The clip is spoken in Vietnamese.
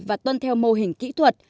và tuân theo mô hình kỹ thuật